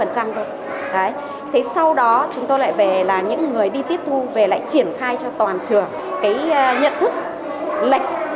thế sau đó chúng tôi lại về là những người đi tiếp thu về lại triển khai cho toàn trường cái nhận thức lệch